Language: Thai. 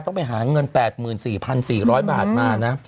ต้องไปหาเงิน๘๔๔๐๐บาทมานะ